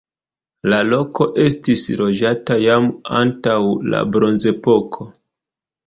La loko estis loĝata jam antaŭ la bronzepoko.